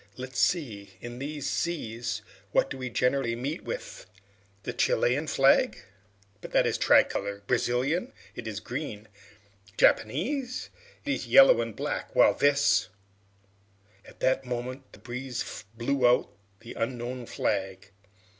Let's see: in these seas, what do we generally meet with? The Chilean flag? but that is tri color. Brazilian? it is green. Japanese? it is yellow and black, while this " At that moment the breeze blew out the unknown flag.